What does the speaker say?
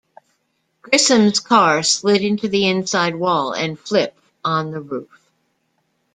Grissom's car slid into the inside wall and flipped on the roof.